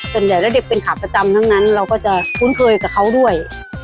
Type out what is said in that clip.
ส่วนใหญ่แล้วเด็กเป็นขาประจำทั้งนั้นเราก็จะคุ้นเคยกับเขาด้วย